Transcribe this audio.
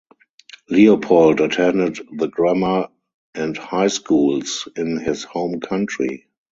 Leopold attended the grammar and high schools in his home country.